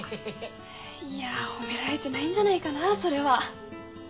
いや褒められてないんじゃないかなそれは。